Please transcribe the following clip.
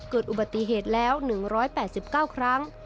เกิดอุบัติเหตุแล้ว๑๘๙ครั้ง